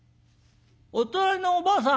お隣のおばあさん。